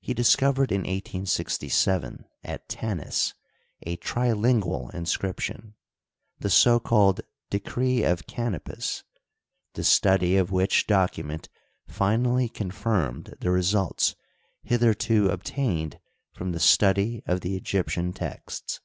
He discovered in 1867 at Tanis a trilingual inscription — the so called Decree of Canopus — ^the study of which document finally confirmed the results hitherto obtained from the study of the Egyptian texts.